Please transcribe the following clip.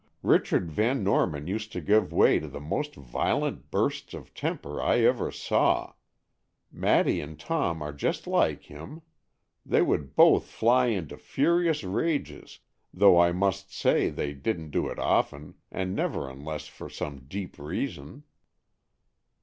Richard Van Norman used to give way to the most violent bursts of temper I ever saw. Maddy and Tom are just like him. They would both fly into furious rages, though I must say they didn't do it often, and never unless for some deep reason."